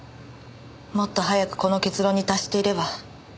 もっと早くこの結論に達していれば。